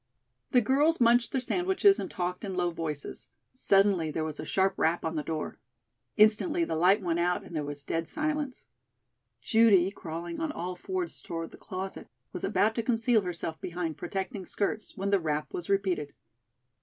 The girls munched their sandwiches and talked in low voices. Suddenly there was a sharp rap on the door. Instantly the light went out and there was dead silence. Judy, crawling on all fours toward the closet, was about to conceal herself behind protecting skirts, when the rap was repeated.